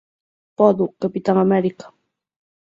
Podo, Capitán América.